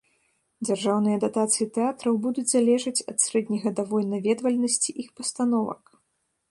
Дзяржаўныя датацыі тэатраў будуць залежаць ад сярэднегадавой наведвальнасці іх пастановак.